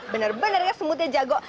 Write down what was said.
bener bener ya semutnya jago